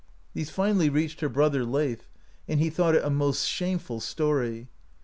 These finally readied her brother, Leif, and he thought it a most shameful story.